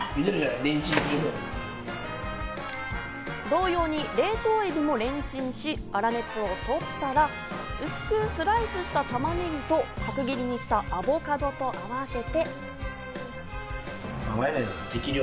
同様に冷凍エビもレンチンし、粗熱を取ったら、薄くスライスした玉ねぎと角切りにしたアボカドと合わせて。